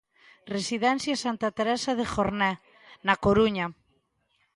Residencia Santa Teresa de Jornet, na Coruña.